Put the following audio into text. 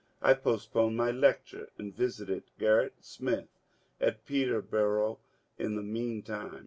I postponed my lecture and visited Gerritt Smith at Peterboro' in the mean time.